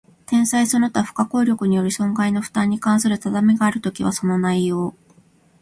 天災その他不可抗力による損害の負担に関する定めがあるときは、その内容